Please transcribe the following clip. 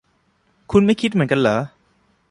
คุณไม่คิดเหมือนกันหรอ